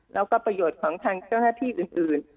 แล้วก็ประโยชน์ของทางเจ้าหน้าที่อื่น